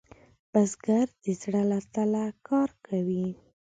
بزګر د زړۀ له تله کار کوي